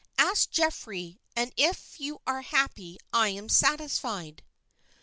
Ask Geoffrey, and if you are happy I'm satisfied."